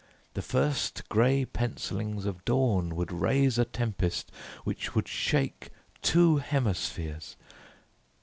The first grey pencillings of dawn would raise a tempest which would shake two hemispheres.